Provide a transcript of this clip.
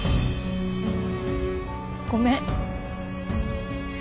ごめん。